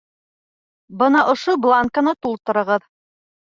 Бына ошо бланкыны тултырығыҙ.